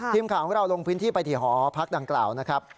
ทีมข่าวของเราลงพื้นที่ไปที่หอพักดังกล่าวนะครับ